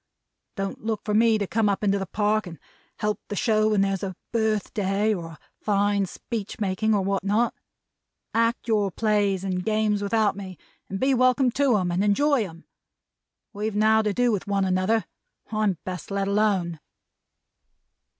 Don't look for me to come up into the Park to help the show when there's a Birthday, or a fine Speechmaking, or what not. Act your Plays and Games without me, and be welcome to 'em and enjoy 'em. We've now to do with one another. I'm best let alone!'"